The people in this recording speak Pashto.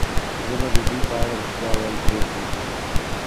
زه به د دوی په اړه رښتیا ویل پرېږدم